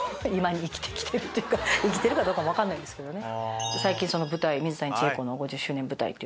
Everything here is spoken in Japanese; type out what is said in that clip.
生きてるかどうかも分かんないですけどね。